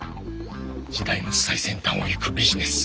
時代の最先端を行くビジネス。